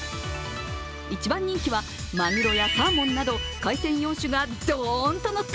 一番人気はまぐろやサーモンなど海鮮４種がどーんとのった